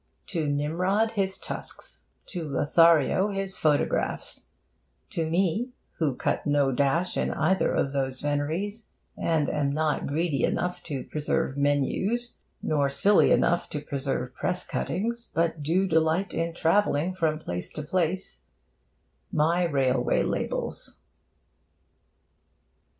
To Nimrod, his tusks; to Lothario, his photographs; to me (who cut no dash in either of those veneries, and am not greedy enough to preserve menus nor silly enough to preserve press cuttings, but do delight in travelling from place to place), my railway labels.